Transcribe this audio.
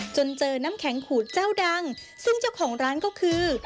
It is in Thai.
จนเจอน้ำแข็งขูดเจ้าดังซึ่งเจ้าของร้านก็คือ